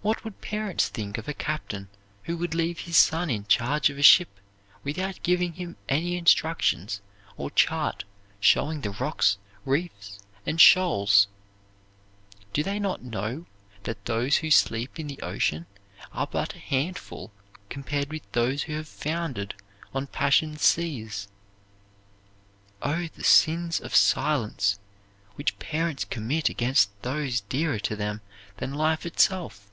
What would parents think of a captain who would leave his son in charge of a ship without giving him any instructions or chart showing the rocks, reefs, and shoals? Do they not know that those who sleep in the ocean are but a handful compared with those who have foundered on passion's seas? Oh, the sins of silence which parents commit against those dearer to them than life itself!